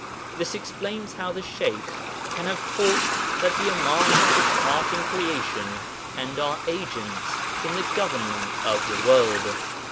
] This explains how the Sheykh can have taught that the Imāms took part in creation and are agents in the government of the world.